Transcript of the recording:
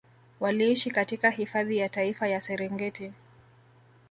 Waliishi katika hifadhi ya Taifa ya Serengeti